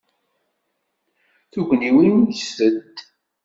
Tugniwin ggtent.